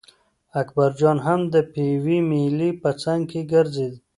اکبرجان هم د پېوې مېلې په څنګ کې ګرځېده.